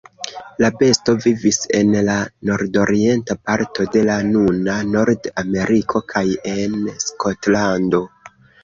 La besto vivis en la nordorienta parto de la nuna Nord-Ameriko kaj en Skotlando.